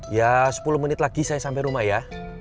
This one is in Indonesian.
ya sepuluh menit lagi saya sampai rumah ya